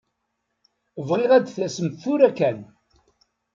Bɣiɣ ad d-tasemt tura kan.